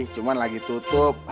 cuman lagi tutup